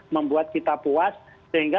membuat kita puas sehingga